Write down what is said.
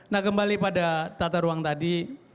nah kembali pada tata ruang tadi